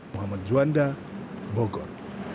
muhammad juanda bogor